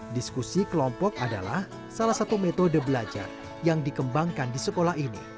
diskusi kelompok adalah salah satu metode belajar yang dikembangkan di sekolah ini